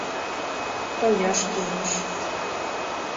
Тояш кӱлеш.